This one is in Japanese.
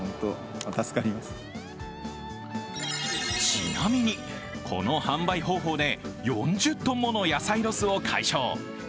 ちなみに、この販売方法で４０ｔもの野菜ロスを解消。